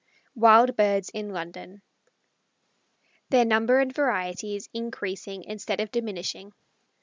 WILD BIRDS IN LONDON. Their Number and Variety is Increasing Instead of Diminishing.